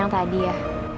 yang tadi ya